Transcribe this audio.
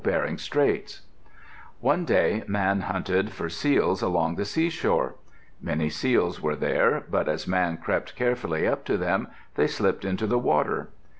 Andrews_] THE FIRST TEARS Eskimo (Bering Straits) One day Man hunted for seals along the seashore. Many seals were there, but as Man crept carefully up to them, they slipped into the water.